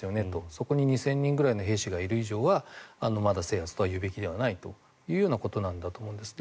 そこに２０００人ぐらいの兵士がいる以上はまだ制圧とは言うべきではないということなんだと思うんです。